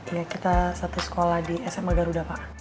iya kita satu sekolah di sma garuda pak